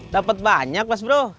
dapet banyak mas bro